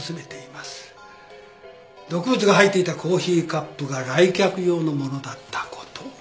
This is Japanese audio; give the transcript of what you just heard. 毒物が入っていたコーヒーカップが来客用のものだったこと。